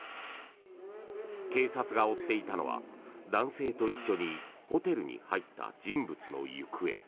警察が追っていたのは男性と一緒にホテルに入った人物の行方。